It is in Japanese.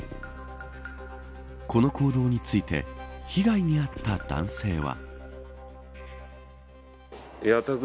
この行動について被害に遭った男性は。